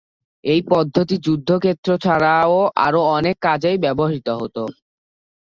এই পদ্ধতি যুদ্ধক্ষেত্র ছাড়াও আরো অনেক কাজেই ব্যবহৃত হত।